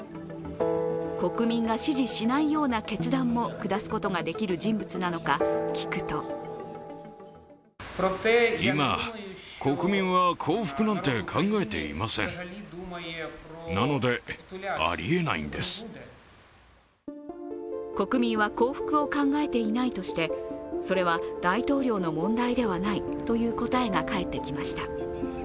国民が支持しないような決断も下すことができる人物なのか聞くと国民は降伏を考えていないとして、それは大統領の問題ではないという答えが返ってきました。